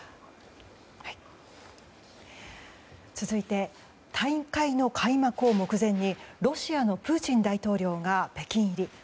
続いて大会の開幕を目前にロシアのプーチン大統領が北京入り。